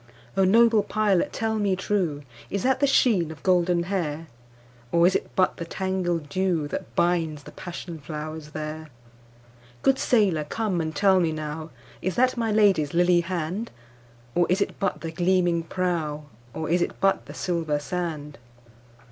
O noble pilot tell me trueIs that the sheen of golden hair? Or is it but the tangled dewThat binds the passion flowers there? Good sailor come and tell me nowIs that my Lady's lily hand? Or is it but the gleaming prow, Or is it but the silver sand?